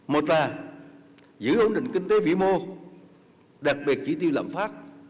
một là giữ ổn định kinh tế vĩ mô đặc biệt chỉ tiêu lạm phát